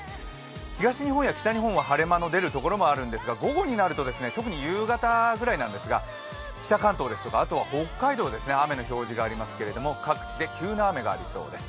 東日本や北日本は晴れ間の見えるところもあるんですが、午後になると特に夕方くらいなんですが、北関東ですとか北海道雨の表示がありますけれども、各地で急な雨がありそうです。